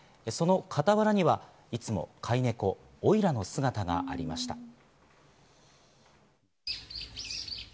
その傍らにはいつも飼い猫・オイラの姿がありました。